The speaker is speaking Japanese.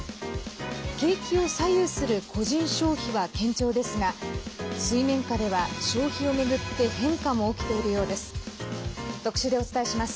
景気を左右する個人消費は堅調ですが水面下では消費を巡って変化も起きているようです。